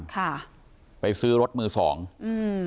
ค่ะไปซื้อรถมือสองอืม